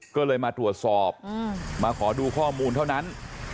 ก็เลยมาตรวจสอบมาขอดูข้อมูลเท่านั้น